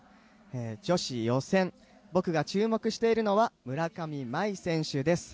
女子予選、僕が注目しているのは村上茉愛選手です。